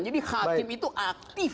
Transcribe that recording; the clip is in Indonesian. jadi hakim itu aktif